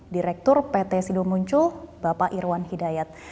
direktur pt sido muncul bapak irwan hidayat